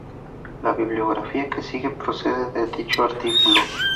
La bibliografía que sigue procede de dicho artículo.